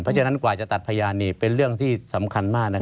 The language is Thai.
เพราะฉะนั้นกว่าจะตัดพญานเนี่ยเป็นเรื่องที่สำคัญมากนะครับ